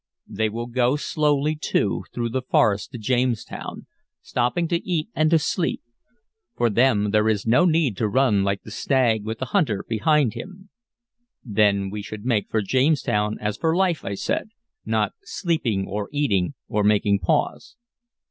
"They will go slowly, too, through the forest to Jamestown, stopping to eat and to sleep. For them there is no need to run like the stag with the hunter behind him." "Then we should make for Jamestown as for life," I said, "not sleeping or eating or making pause?"